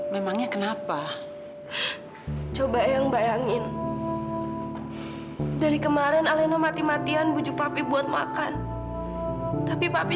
memangnya kenapa coba yang bayangin dari kemarin aleno mati matian bujuk papi buat makan tapi papi